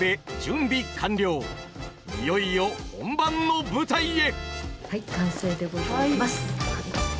いよいよ本番の舞台へ！